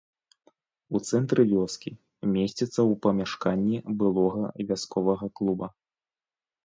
У цэнтры вёскі, месціцца ў памяшканні былога вясковага клуба.